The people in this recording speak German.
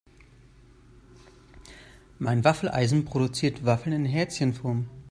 Mein Waffeleisen produziert Waffeln in Herzchenform.